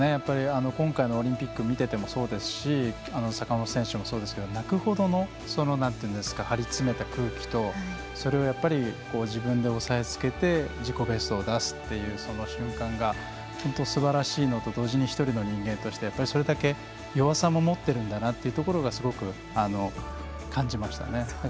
今回のオリンピック見ていてもそうですし坂本選手もそうですけど泣くほどの張り詰めた空気とそれをやっぱり自分で押さえつけて自己ベストを出すというその瞬間がすばらしいのと同時に１人の人間として、それだけ弱さも持ってるんだなというところがすごく感じましたね。